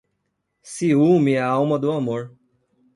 Ciúme é a alma do amor.